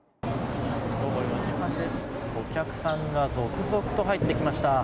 お客さんが続々と入ってきました。